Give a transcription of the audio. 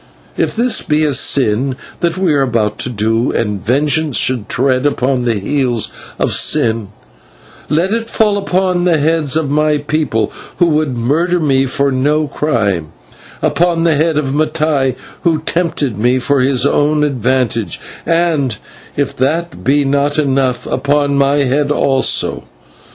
If this be a sin that we are about to do, and vengeance should tread upon the heels of sin, let it fall upon the heads of my people, who would murder me for no crime; upon the head of Mattai, who tempted me for his own advantage; and, if that be not enough, upon my head also.